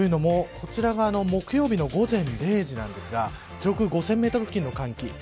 こちらが木曜日の午前０時なんですが上空５０００メートル付近の寒気。